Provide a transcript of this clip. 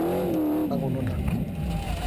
办理公证